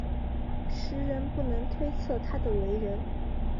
时人不能推测他的为人。